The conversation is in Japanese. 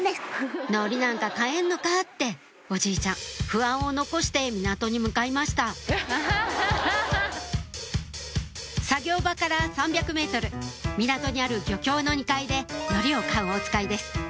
「海苔なんか買えんのか？」っておじいちゃん不安を残して港に向かいました作業場から３００ｍ港にある漁協の２階で海苔を買うおつかいです